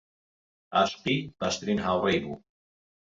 عاشقی باشترین هاوڕێی بوو.